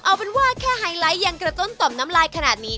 เอาเป็นว่าแค่แฮงไลท์อย่างกระโต้นตดน้ำไลน์ขนาดนี้